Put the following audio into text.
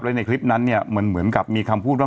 ในคลิปนั้นเนี่ยเหมือนกับมีคำพูดว่า